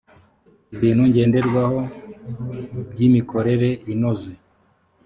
ibintu ngenderwaho by imikorere inoze